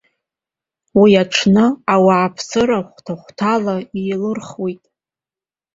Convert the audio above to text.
Уи аҽны, ауааԥсыра хәҭа-хәҭала иеилырхит.